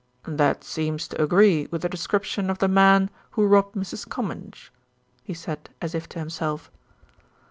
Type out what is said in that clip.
"That seems to agree with the description of the man who robbed Mrs. Comminge," he said as if to himself.